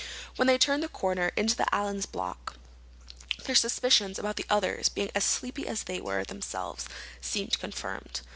When they turned the corner into the Allen's block their suspicions about others being as sleepy as they were themselves seemed confirmed.